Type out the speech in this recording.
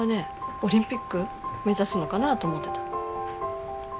オリンピック目指すのかなぁと思ってた。